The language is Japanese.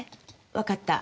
わかった。